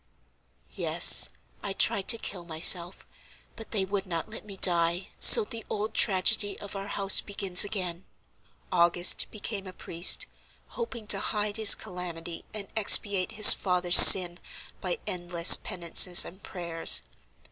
"Yes, I tried to kill myself; but they would not let me die, so the old tragedy of our house begins again. August became a priest, hoping to hide his calamity and expiate his father's sin by endless penances and prayers.